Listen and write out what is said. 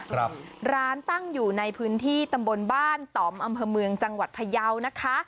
ครับร้านตั้งอยู่ในพื้นที่ตำบลบ้านต่อมอำเภอเมืองจังหวัดพยาวนะคะ